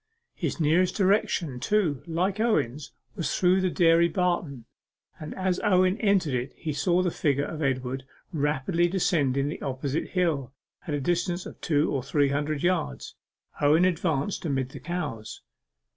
His nearest direction, too, like Owen's, was through the dairy barton, and as Owen entered it he saw the figure of Edward rapidly descending the opposite hill, at a distance of two or three hundred yards. Owen advanced amid the cows.